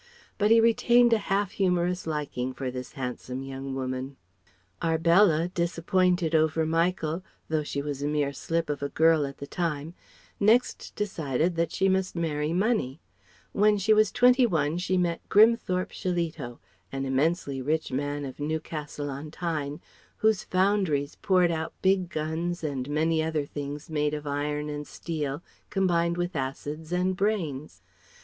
But he retained a half humorous liking for this handsome young woman. [Footnote 1: An old Northumbrian variant of Arabella.] Arbella, disappointed over Michael though she was a mere slip of a girl at the time next decided that she must marry money. When she was twenty one she met Grimthorpe Shillito, an immensely rich man of Newcastle on Tyne, whose foundries poured out big guns and many other things made of iron and steel combined with acids and brains.